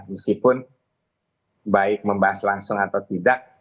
meskipun baik membahas langsung atau tidak